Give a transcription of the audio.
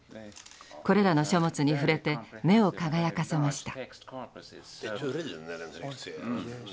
これらの書物に触れて目を輝かせました。